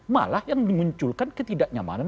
malah yang mengunculkan ketidaknyamanan